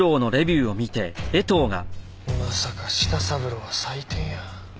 まさか舌三郎は採点屋？